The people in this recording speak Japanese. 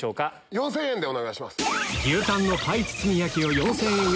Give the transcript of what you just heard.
４０００円でお願いします。